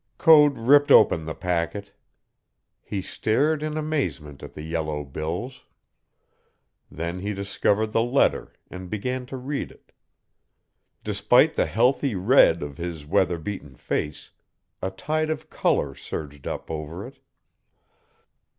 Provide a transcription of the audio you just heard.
Code ripped open the packet. He stared in amazement at the yellow bills. Then he discovered the letter and began to read it. Despite the healthy red of his weather beaten face, a tide of color surged up over it.